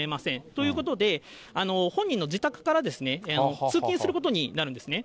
ということで、本人の自宅から通勤することになるんですね。